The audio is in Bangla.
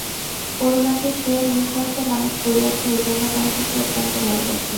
করুণাকে সে নিজহস্তে মানুষ করিয়াছে, এই জন্য তাহাকে সে অত্যন্ত ভালোবাসে।